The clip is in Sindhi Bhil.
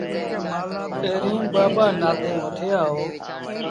پيريٚݩ ٻآ ٻآ نآديٚݩ وٺي آئو۔